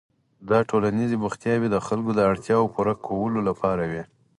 دا ټولنیز بوختیاوې د خلکو د اړتیاوو پوره کولو لپاره وې.